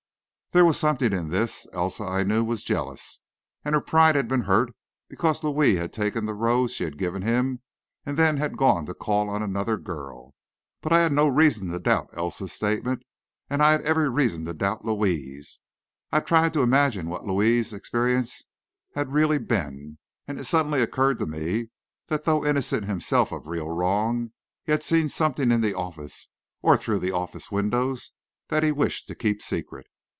There was something in this. Elsa, I knew, was jealous, and her pride had been hurt because Louis had taken the rose she gave him, and then had gone to call on another girl. But I had no reason to doubt Elsa's statement, and I had every reason to doubt Louis's. I tried to imagine what Louis's experience had really been, and it suddenly occurred to me, that though innocent himself of real wrong, he had seen something in the office, or through the office windows that he wished to keep secret.